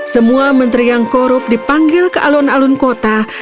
semua menteri yang korup dipanggil ke alun alun kota